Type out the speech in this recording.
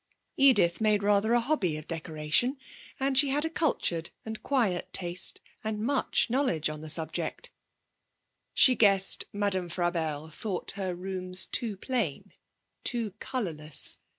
Edith made rather a hobby of decoration, and she had a cultured and quiet taste, and much knowledge on the subject. She guessed Madame Frabelle thought her rooms too plain, too colourless.